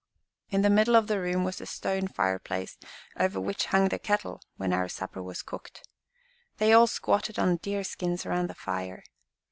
"In the middle of the room was a stone fireplace, over which hung the kettle when our supper was cooked. They all squatted on deer skins around the fire.